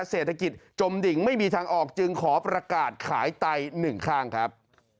เศรษฐกิจจมดิ่งไม่มีทางออกจึงขอประกาศขายไตหนึ่งข้างครับ